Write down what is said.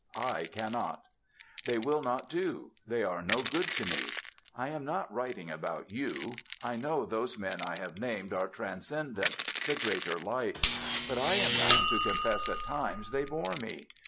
I cannot. They will not do they are no good to me. I am not writing about you. I know those men I have named are transcendent, the greater lights. But I am bound to confess at times they bore me.